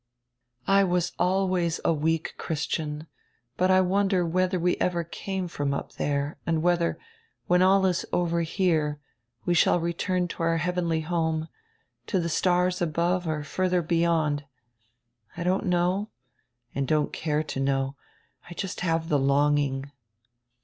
"I always was a weak Christian, but I wonder whether we ever came from up diere and whedier, when all is over here, we shall return to our heavenly home, to die stars above or further beyond. I don't know and don't care to know. I just have die longing."